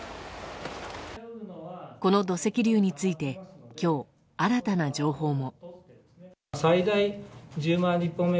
この土石流について今日、新たな情報も。